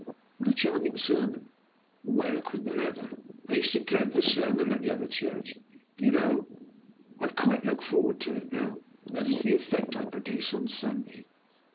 'What a charming sermon!' 'More eloquent than ever!' 'I used to dread the sermon at the other church do you know, I quite look forward to it now.' That is the effect I produce on Sunday.